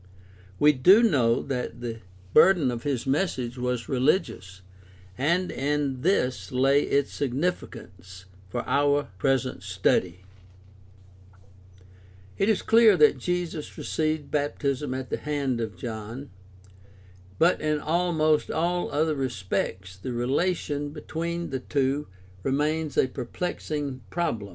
We do know that the burden of his message was religious, and in this lay its significance for our present study. THE STUDY OF EARLY CHRISTIANITY 255 It is clear that Jesus received baptism at the hands of John, but in almost all other respects the relation between the two remains a perplexing problem.